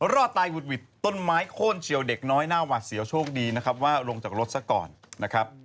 รอดตายหุดหวิดต้นไม้โค้นเฉียวเด็กน้อยหน้าหวัดเสียวโชคดีนะครับว่าลงจากรถซะก่อนนะครับ